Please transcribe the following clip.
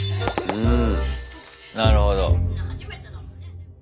うん。